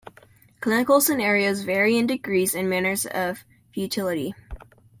Clinical scenarios vary in degrees and manners of futility.